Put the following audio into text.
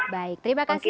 baik terima kasih